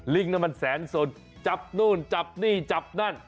นั่นมันแสนสดจับนู่นจับนี่จับนั่น